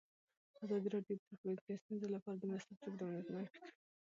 ازادي راډیو د ټرافیکي ستونزې لپاره د مرستو پروګرامونه معرفي کړي.